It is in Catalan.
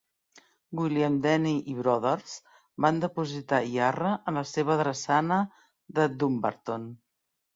"William Denny i Brothers van depositar "Yarra" en la seva drassana de Dumbarton.